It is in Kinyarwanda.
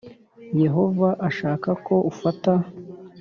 Yehova ashaka ko ufata .